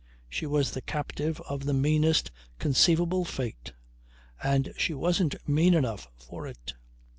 She was the captive of the meanest conceivable fate. And she wasn't mean enough for it.